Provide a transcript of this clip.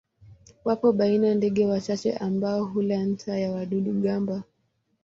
Wapo baina ndege wachache ambao hula nta ya wadudu-gamba.